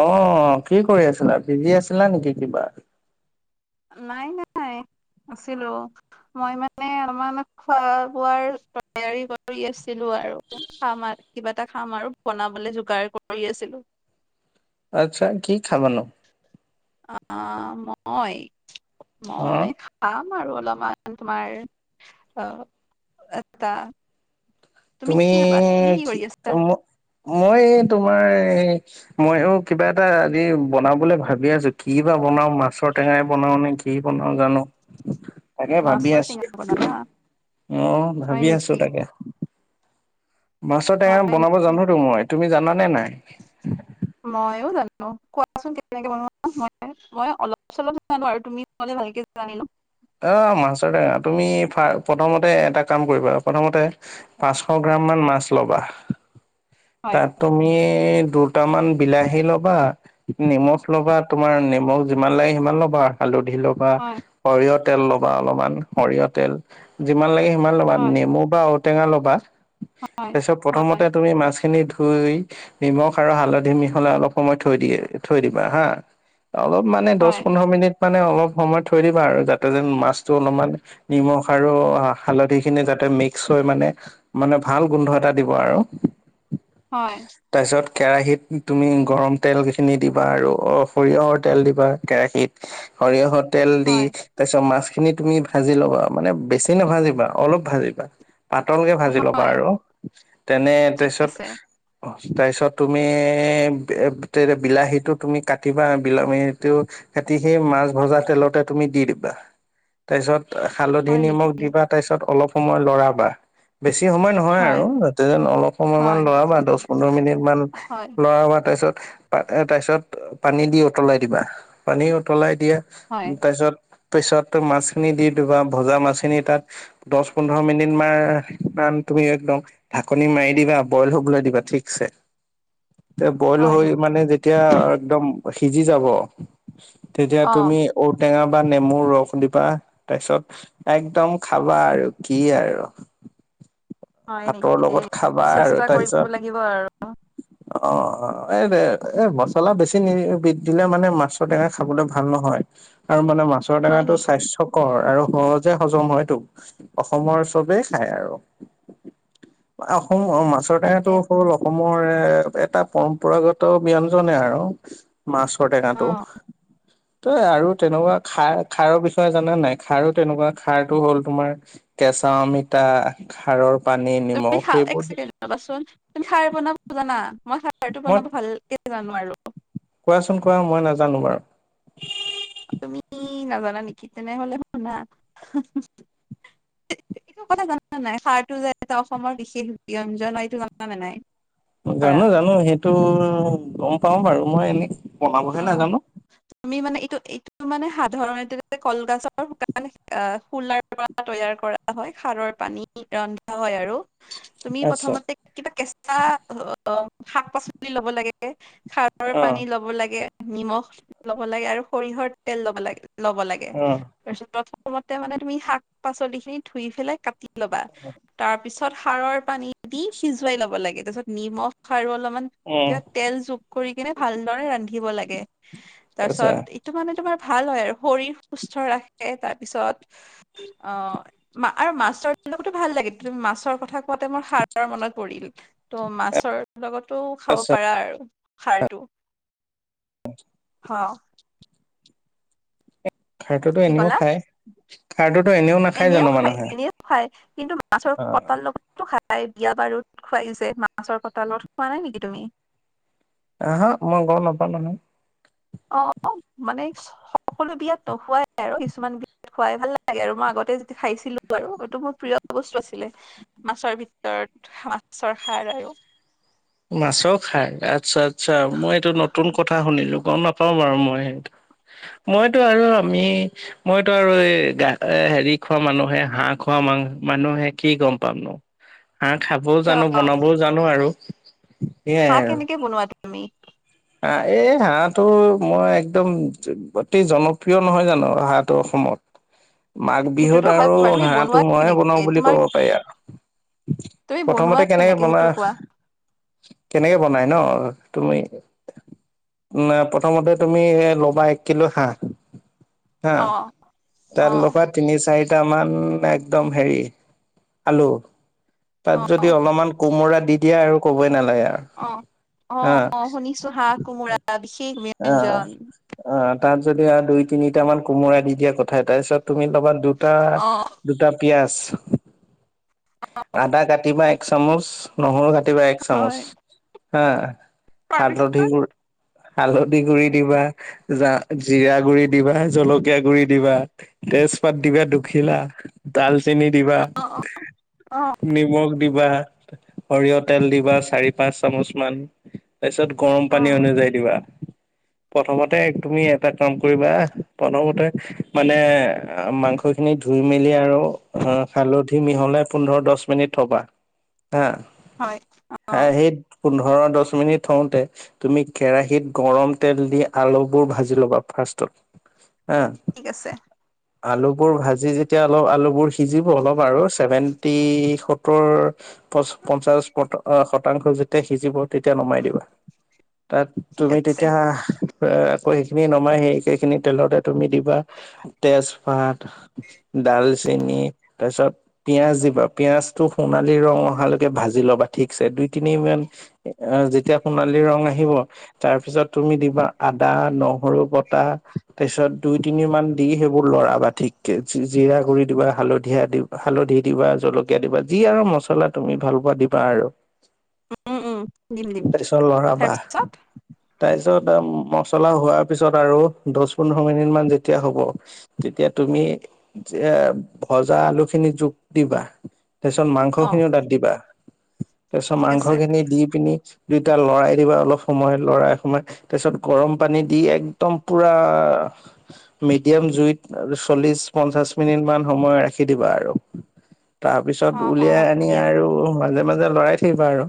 অ কি কৰি আছিলা পিজি আছিলা নেকি কিবা নাই নাই নাই আছিলো মই মানে অলমান খোৱা বোৱাৰ তৈয়াৰী কৰি আছো ছিলো আৰু খাম আৰু কিবা এটা খাম আৰু বনাবলৈ যোগাৰ কৰি আছিলো আচ্ছা কি খামানো। অ মই অ মই খাম আৰু অলপমান তোমাৰ অ এটা তুমি কি ভাবা তুমি কি কৰি আছা মই তোমাৰ ময়ো কিবা এটা আদি বনাবলৈ ভাবি আছো কি বা বনাওঁ মাছৰ টেঙাই বনাও নে ঘি বনাওঁ জানো তাকে ভাবি মাছৰ আছো টেঙা বনাবা অ হয় ভাবি আছো নেকি তাকে মাছ টেঙা হয় বনাব নেকি জানোতটো মই তুমি জানানে নাই অ কোৱাচোন কে বন মই অলপ চলপ জানো আৰু তুমি ভালকোনি ল অ মাছ টেঙা তুমি প্ৰথমতে এটা কাম কৰিবা প্ৰথমতে পাঁচশ গ্ৰাম মাছ ল'বা হয় তাত তুমি দুটামান বিলাহী ল'বা নিমখ ল'বা তোমাৰ নিমখ যিমান লাগে সিমান ল'বা বা হালধি ল'বা হয় সৰিয়হ তেল ল'বা অলপমান সৰিয়হ তেল যিমান লাগে হয় নমু বা ঔটেঙা লবা হয় তাপাছত হয় প্ৰথমতে তুমি। খিনি ধুই নিমখ আৰু হালধি মিহলাই অলপ সময় থৈ দিয়ে থৈ দিবা হা অলপ মানে দহ হয় পোন্ধৰ মিনিট মানে অলপ সময় থৈ দিবা আৰু যাতে তাতে যেন মাছটো অলপ নি আৰু হালধি খিনি যাতে ম্স হৈ মান মানে ভাল গোন্ধ এটা দিব আৰু হয়ব। কেৰাহিত তুমি গৰম তেলখিনি দিবা আৰু সৰিয়হৰ তেল দিবা কেৰাহিত সৰিয়হৰ তেল দি হয়, তাৰিছ মাছখিনি তুমি ভাজি ল'বা মানে বেছি নাভাজিবা অলপ ভাজিবা পাতলকে ভাজি ল'বা হয়, আৰু তেনে ঠিক তাৰপিছত আছে। তাৰপিছত তুমি বিলাহীটো তুমি কাটিবা বিলাহীটো সেই মাছ ভজা তেলতে তুমি দি দিম তাৰপিছত হালধি হয় নেকি? নিমখ দিবা তাৰ পিছত অলপ সময় লৰাবা বেছি সময় নহয় হয়, আৰু যাতে যেন অলপ সময় মান হয়, লৰা বা দহ পোন্ধৰ মিনিট মান হয়, লৰা বা তাৰপিছত তাৰ পিছত পানী দি উতলাই দিবা পানী উতলাই। দিয়ে হয়, উ তাৰপিছত। পিছত মাছখিনি দি বাা ভজা মাছখিনি তাত দহ পোন্ধৰ মিনিট মান। তুমি একদম ঢাকনি মাৰি দিবা বইল হবলৈ দিবা ঠিকছে। তে বইল হয়। হৈ মানে যেতিয়া একদম সিজি যাব। তেতিয়া অ', তুমি ঔটেঙা বান। নেমু ৰস দিবা তাৰপিছত একদম খাবা আৰু কি আৰু হয় ভাতৰ নেকি লগত দেই, খাবা আৰু চেষ্টা কৰিব তাপিছত লাগিব আৰু অ এই এ মছলা বেছি নি দিলে মানে মাছৰ টেঙা খাবলে ভাল নহয়। আৰু মানে মাছৰ হয় টেঙাটো নেকি? স্বাস্থ্যকৰ আৰু সহজে হজম হয়টো অসমৰ চবেই খায় আৰু অসম অ মাছৰ ভালে টেঙাটো হ'ল অসমৰ এ এটা পৰম্পৰাগত ব্ঞ্জনে আৰু মাছৰ টেঙটো অ', তই আৰু তেনেকুৱা খাৰ খাৰৰ বিষয়ে জানে নাই খাৰো তেনেকুৱা খাৰটো হ'ল তোমাৰ কেচ মিটাৰ। তুমাচোন তুমি সাৰ বনাব জানা মই সাৰটো মই বনাব ভাল। জানোৱাৰো। কোৱাচোন কোৱা মই নাজানো বাৰু। তুমি নাজানা নেকি তেনেহলে শুনা। এইটো কথা জনা নাই সাৰটো যে এটা অসমৰ বিশেষ ব্য়ঞ্জন হয় এইটো জনা নে নাই। ধৰা, জানো জানো সেইটো গম পাও বাৰু মই এনে। বনাবহে অ'। নাজানো। তুমি মানে এইটো এইটো মানে সাধাৰণতে কলগছৰ শুকান আহ খুলাৰ পৰা তৈয়াৰ। কৰা হয় সাৰৰ পানী ৰন্ধা হয় আৰু। তুমি আচ্ছা প্ৰথমতে কিবা কেঁচা অ শাক পাচলি লব লাগে। খাৰৰ অ পানী ল'ব লাগে নিমখ ল'ব লাগে আৰু সৰিয়হৰ তেল ল'ব লাগে। ল'ব লাগে অ তাৰপিছত প্ৰথমতে মানে তুমি শাক পাচলি খিনি ধুই পেলাই কাটি। ল'বা তাৰপিছত সাৰৰ পানী দি সিজুৱাই ল'ব লাগে তাৰপিছত নিমখ সাৰ অলপ। উম কিবা তেল যোগ কৰি কিনে ভালদৰে ৰান্ধিব লাগে। আচ্ছা তাৰপিছত এইটো মানে তোমাৰ ভাল হয় আৰু শৰীৰ সুস্থ ৰাখে তাৰপিছত। অ। মা আৰু মাছৰোতো ভাল লাগে তুমি মাছৰ কথা কোৱাতে মোৰ সাৰৰ মনত পৰিল। ত' মাছৰ লগতো খাব আচ্ছা পাৰা আৰু সাৰতটো। হয় [unintelligible] হয়। খাৰ্ডতো কি এনেও ক'লা খায় খাৰ্ডত। এনেও খায় এনেও খায় কিন্তু মাছৰ অ কটাৰ লগতো খায়। তাই বিয়া বাৰুত খোৱাইছে মাছৰ কটালত খোৱা নাই নেকি তুমি। আহ হা মই গম নাপালো নহয়। অ মানে সকলো বিয়াত নোহোৱাই আৰু কিছুমান বি। খুৱাই ভাল লাগে আৰু মই আগতে যেটো খাইছিলো আৰু এইটো মোৰ প্ৰিয় বস্তু আছিলে মাছৰ ভিতৰত। মাছৰ সাৰ আৰু। মাছৰ খাই আচ্ছা আচ্ছা মই এইটো নতুন কথা শুনিলো। গম নাপাওঁ বাৰু মই সেইটো। মইতো আৰু আমি মইতো আৰু এই গা এ হেৰি খোৱা মানুহে হাঁহ খোৱা। মানুহে কি গম পাম ন হা খাবও কিয় জানো বনাবও জানো আৰু। হা কেনেকে বনোৱা তমি। হাঁ এই হাঁহটো মই একদম অতি জনপ্ৰিয় নহয় জানো হাঁহটো অসমত। মাঘ বিহুত সেইটোতো হয় আৰু বাৰু তুমি হাঁহটো বনোৱা ময়ে বনাও কেনেকে বুলি তোমাৰ ক'ব পাৰি আৰু। তুমি বনোৱা প্ৰথমতে কেনেকে বনাই সেইটো কোৱা? কেনেকে বনাই ন। তুমি প্ৰথমতে তুমি ল'বা এক কিলো হাঁহ। হা অ', তাৰ অ', লগত তিনি চাৰি। টামান একদম হেৰি আলু তাত যদি অ', অলপমান কোমোৰা। দি দিয়া আৰু ক'বই নালাগে আৰু অ'। হা। অ', অ', শুনিছো হাঁহ কোমোৰা বিশেষ অ ব্যঞ্জন। অ তাত যদি আৰু দুই তিনিট মান কোমোৰা দি দিয়ে। কথাই তাৰপিছত তুমি পাবা দুটা অ', -দুটা পিয়াজ। আদা কাটিবা এক চামুচ, নহৰু কাটিবা এক চামুচ হয়। হা। হাতধ তাৰপিছত গো। হালধি গুৰি দিবা, জিৰা গুৰি দিবা, জলকীয়া গুৰি দিবা। তেজপাত দিবা দুখিলা ডালচেনি দিবা অ', অ', অ', নিমখ। দিবা সৰিয়হ তেল দিবা চাৰি পাঁচ চামুচ মান। তাৰপিছত গৰম অ পানী অনুযায়ী দিবা। প্ৰথমতে তুমি এটা কাম কৰিবা প্ৰথমতে মানে মাংস খিনি ধু ধুই মেলি আৰু হালধি মিহলাই পোন্ধৰ দহ মিনিট থ'বা। হা হয় হ, অ', সেই পোন্ধৰ দহ মিনিট থওঁতে তুমি কেৰাহিত গৰম তেল দি আলুবোৰ ভাজি ল'বা ফাৰ্ষ্ষ্টত, হ। ঠিক আছে। আলুবোৰ ভাজি যেতিয়া অলপ আলুবোৰ সিজিব অলপ আৰু ছেভেনটি সত্তৰ প পঞ্চাশ শতাংশ যেতিয়া সিজিব তেতিয়া নমাই দিব। ত ঠিক তুমি আছে। তেতিয়া আকৌ সেইখিনি নমাই, সেইখিনি তেলতে তুমি দিবা তেজপাত ডালচেনি, তাৰপিছত পিয়াজ দিবা, পিয়াজটো সোণালী ৰং অহালৈকে ভাজি ল'বা। ঠিকছে দুই তিনি মান যেতিয়া সোণালী ৰং আহিব, তাৰ পিছত তুমি দিবা আদা, নহৰু, বটা, তাৰপিছত দুই তিনিমান দি সেইবোৰ লৰাবা ঠিককে, জিৰা গুৰি দিবা, হালধীয়া দি হালধি দিবা, জলকীয়া দিবা, যি আৰু মছলা তুমি ভাল পোৱা দিবা আৰু। উম -উম উম দিম -দিম। তাৰ পিছত? তাৰ পিছত মচলা হোৱাৰ পিছত আৰু দহ পোন্ধৰ মিনিট মান যেতিয়া হ'ব তেতিয়া তুমি এ ভজা আলু খিনি যোগ দিবা। তাৰপিছত মাংস অ', খিনিও তাত দিবা। তাৰপাছত ঠিক মাংস আছে খিনি দি পিনি, দুইটা লৰাই দিবা, অলপ সময় লৰাই সোমাই তোমাৰ তাৰ পিছত গৰম পানী দি একদম পুৰা, মিডিয়াম জুইত চল্লিশ পঞ্চাশ মিনিট মান সময় ৰাখি দিবা আৰু। তাৰ পিছত অ', অ', উলিয়াই হ'ব আনি দিয়া আৰু মাজে মাজে লৰাই থাকিবা আৰু,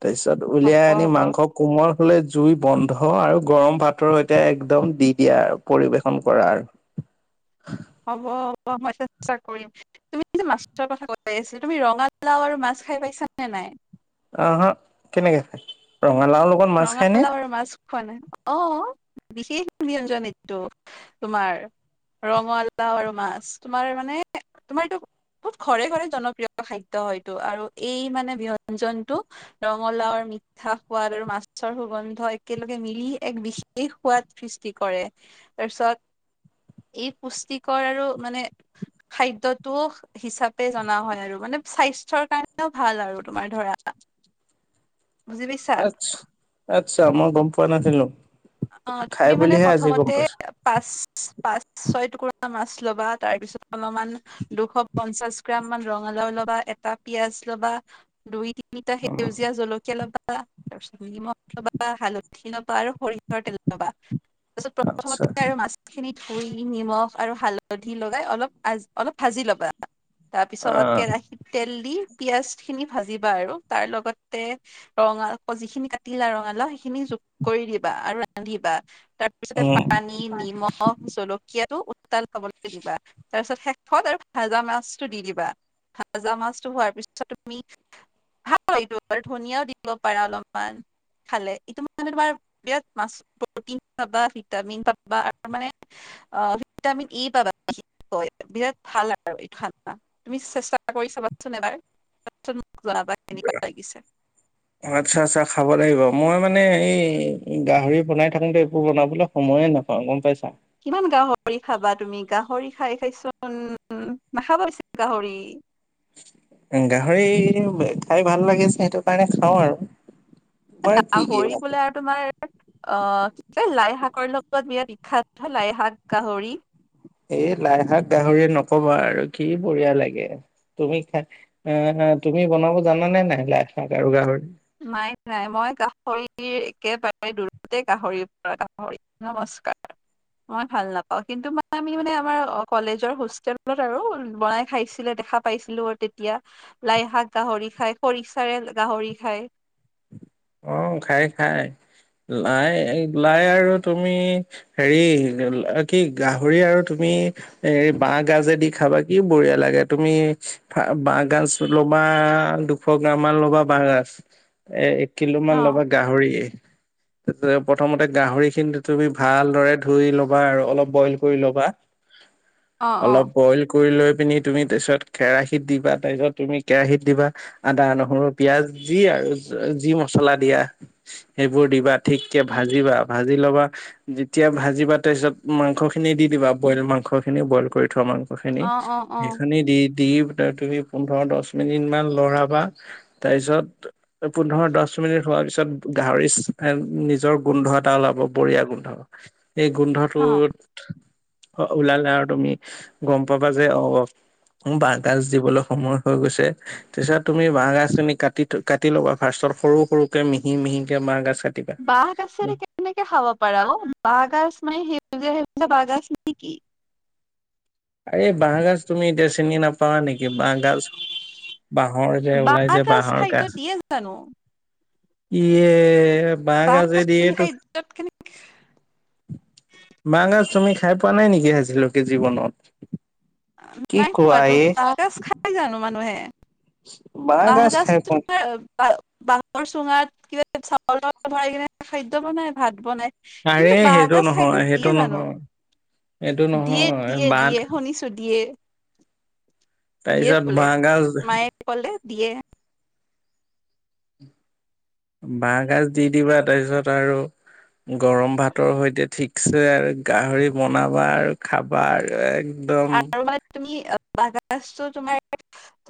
তাৰপিছত ছত হ'ব উলিয়াই আনি হ'ব। মাংস কোমল হলে জুই বন্ধ আৰু গৰম পাতৰ সৈতে একদম দি দিয়া আৰু পৰিবেশন কৰা আৰু। হয়। [unintelligible] হ'ব হ'ব মই চেষ্টা কৰিম। তুমি মাছৰ কথা কৈ আছ, তুমি ৰঙালাও আৰু মাছ মাছ খাই পাইছা নে নাই। আহ হা কেনেকে খাই? ৰঙালাওৰ লগত মাছ খায়নে ৰঙালাও আৰু মাছ খোৱা নাই অ। বিশেষ ব্যঞ্জন এইটো তোমাৰ। ৰঙালাও আৰু মাছ। তোমাৰ মানে তোমাৰ এইটো বহুত ঘৰে ঘৰে জনপ্ৰিয় খাদ্য এইটো আৰু এই মানে ব্যঞ্জনতটো ৰঙালাও মি্থা [unintelligible] সোঁৱাদ আৰু মাছ ৰ সুগন্ধ একেলগে মিলি এক বিশেষ সোৱাদ সৃষ্টি কৰে। তাৰপিছত এই পুষ্টিকৰ আৰু মানে খাদ্যটো হিচাপে জনা হয় আৰু। মানে মানে স্বাস্থ্যৰ কাৰণেও ভাল আৰু তোমাৰ ধৰা, [inaudible] বুজি পাইছা? আটচ্ছা মই গম পোৱা নাছিলো। অ খাই তুমি মানে বুলিহে আজি গম প্ৰথমতে পাইছো পাঁচ পাঁচ ছয় টুকুৰা মাছ ল'বা, তাৰ পিছত অলপমান দুশ পঞ্চাশ গ্ৰাম মান ৰঙা লাও ল'বা, এটা পিয়াজ লবা, দুই তিনিটা উম সেউজীয়া জলকীয়া ল'বা, তাৰপিছত নিমখ ল'বা, হালধি ল'বা আৰু সৰি তেল লবা, তাৰপিছত আচ্ছা প্ৰথমতে আৰু মাছখিনি ধুই নিমখ আৰু হালধি লগাই অলপ আ অলপ ভাজি ল'বা। তাৰ অ পিছত কেৰাহিত তেল দি পিয়াজখিনি ভাজিবা আৰু তাৰ লগতে ৰঙা যিখিনি কাটিলা ৰঙালাও, সেইখিনি কৰি দিবা আৰু ৰান্ধিবা। তাৰপিছতে উম পানী, নিমখ, জলকীয়াটো তাল খাবলৈ দিবা, তাৰপিছত শেষত আৰু ভাজা মাছটো দি দিবা। ভাজা মাছটো হোৱাৰ পিছত তুমি ভাল এইটো আৰু ধনিয়াও দিব পাৰা অলপমান খালে ইটো মানে তোমাৰ বিৰাট মাছ প্ৰটিন পাবা ভিটামিন পাবা ত মানে অ ভিটামিন ই পাবা। বিৰাট ভাল আৰু এই তুমি চেষ্টা কৰি চাবাচোন এবাৰ। [unintelligible] কেনেকুৱা লাগিছে আচ্ছা আচ্ছা খাব লাগিব। মই মানে এই গাহৰি বনাই থাকোতে এইবোৰ বনাবলৈ সময়ে নাপাওঁ গম পাইছা। কিমান গাহৰি খাবা তুমি গাহৰি খাই খাইচোন নাখাবা বেছি গাহৰি। গাহৰি খাই ভাল লাগে যে সেইটো কাৰণে খাওঁ আৰু। তোমাৰ কি কি গাহৰি ভাল বোলে আৰু তোমাৰ অ কি ক লাই শাকৰ লগত বিৰাট ইখ্যাত লাই শাক গাহৰি। এই লাই শাক গাহৰি নকবা আৰু কি বঢ়িয়া লাগে। তুমি খাই আহ তুমি বনাব জানানে নাই লাই শাক আৰু গাহৰি? নাই নাই মই গাহৰিৰ একেবাৰে দূৰতে গাহৰিৰ পৰা গাহৰি নম স্কাৰ। মই ভাল নাপাও কিন্তু ম আমি মানে আমাৰ কলেজৰ হোষ্টেলত আৰু বনাই খাইছিলে দেখা পাইছিলো আৰু তেতিয়া লাই শাক গাহৰি খাই খৰিচাৰে গাহৰি খাই। অ খায় খায়। লাই লাই আৰু তুমি হেৰি কি গাহৰি আৰু তুমি তুমি এ বাহ গাজেদি খাবা কি বঢ়িয়া লাগে তুমি বাহ গাজ লবা দুশ গ্ৰাম মান ল'বা বাঁহ গাজ এ কিলো মান অ ল'বা গাহৰি। প্ৰথমতে গাহৰিখিনি তুমি ভালদৰে ধুই ল'বা আৰু অলপ বইল কৰি লবা, অ অ অলপ বইল কৰি লৈ পিনি তুমি তাৰপিছত কেৰাহিত দিবা তাৰ পিছত তুমি কেৰাহিত দিবা আদা নহৰু পিয়াজ যি আৰু যি মচলা দিয়া। সেইবোৰ দিবা ঠিক কে ভাজিবা ভাজি ল'বা যেতিয়া ভাজিবা তাৰ পিছত মাংসখিনি দি দিবা বইল মাংসখিনি বইল কৰি থোৱা মাংসখিনি অ অ অ সেইখিনি দি দি তুমি পোন্ধৰ দচ মিনিট মান লৰাবা তাৰ পিছত পোন্ধৰ দচ মিনিট হোৱাৰ পিছত গাহৰি নিজৰ গোন্ধ এটা ওলাব বঢ়িয়া গোন্ধ এই অ গোন্ধটোত ওলালে আৰু তুমি গম পাবা যে অ বাহ গাজ দিবলৈ সময় হৈ গৈছে তাৰছত তুমি বাহ গাজ তুমি কাটি কাটি ল'বা ফাৰ্ষ্টত সৰু সৰুকে মিহি মিহিকে বাঁহ গাজ বাহ গাজৰে কেনেকে খাব পাৰা অ বাহ গাজ মানে সেউজীয়া, সেউজীয়া বাহ গাজ নে কি? এই বাঁহগাজ তুমি এতিয়া চিনি নাপাৱা নেকি বাঁহ গাজ বাঁহৰ যে ওলাই বাঁহ যে বাঁহৰ খাদ্য গাজ। দিয়ে জানো? ইয়ে বাহ বাঁহ গাজে গাজ তুমি দিয়েতো খাদ্যত কেনেকে বাঁহ গাজ তুমি খাই পোৱা নাই নেকি আজিলৈকে জীৱনত? কি নাই কোৱা খোৱাতো এ বাঁহ গাজ খাই জানো মানুহে? বাঁহ বাঁহগাজ গাজ খাই টো পোৱা তোমাৰ [unintelligible] বাহ -বাহৰ চুঙাত কিবা চাউলৰ ভৰাই কিনে খাদ্য বনাই ভাত বনাই আৰে কিন্তু, বাঁহ সেইটো গাজ নহয় সেইটোত সেইটো দিয়ে জানো? নহয় সেইটো দিয়ে নহয় -দিয়ে বাট -দিয়ে শুনিছো দিয়ে। [inaudible] দিয়ে তাৰপিছত বোলে বাঁহগাজ মায়ে কলে দিয়ে। বাঁহগাজ দি দিবা তাৰপিছত আৰু গৰম ভাতৰ সৈতে ঠিকছে আৰু গাহৰি বনাবা আৰু খাবা আৰু এক একদম আৰু মানে তুমি বাঁহ গাজটো তোমাৰ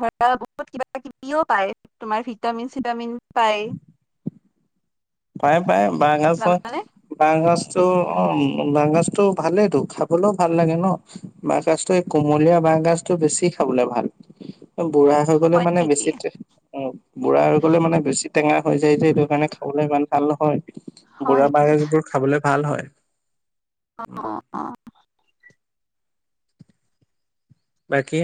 ধৰা বহুত কিবা- কিবিও পায় তোমাৰ ভিটামিন [unintelligible] ভিটামিন পায়। পায় -পায় বাগাজত জানানে বাঁহ গছ চ'অহ বাগাজ টো ভালেই তো খাবলেও ভাল লাগে ন বাহ গাজটো কোমলীয়া বাগজটো বেছি খাবলৈ ভাল। বুঢ়া হৈ গ'লে হয় মানে নেকি বেছি অ বুঢ়া হৈ গ'লে মানে বেছি টেঙা হৈ যায় যে এইটো কাৰণে খাবলে ভাল। ভাল নহয় হয় বুঢ়া নি বাগজবোৰ খাবলে ভাল হয়। হম অ অ বাকী